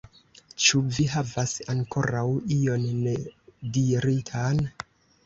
Ĉu vi havas ankoraŭ ion nediritan?